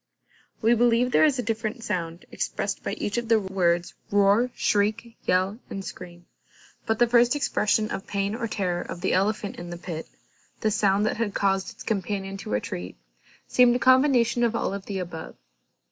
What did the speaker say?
We believe there is a different sound expressed by each of the words, roar, shriek, yell, and scream: but the first expression of pain or terror of the elephant in the pit, the sound that had caused its companion to retreat, seemed a combination of all the above.